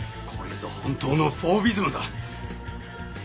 これぞ本当のフォービズムだ。